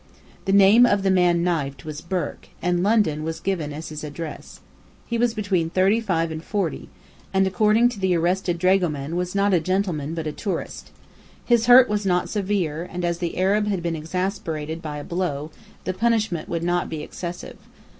The name of the man knifed was Burke, and London was given as his address. He was between thirty five and forty, and according to the arrested dragoman was "not a gentleman, but a tourist." His hurt was not severe: and as the Arab had been exasperated by a blow, the punishment would not be excessive.